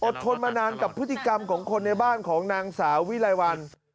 ทนมานานกับพฤติกรรมของคนในบ้านของนางสาววิไลวัน